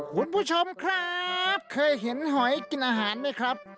คุณผู้ชมครับเคยเห็นหอยกินอาหารไหมครับ